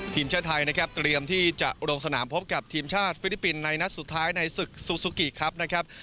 ทีมชาติไทยนะครับเตรียมที่จะลงสนามพบกับทีมชาติฟิลิปปินส์ในนัดสุดท้ายในศึกซูซูกิครับนะครับ